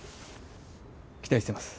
期待してます。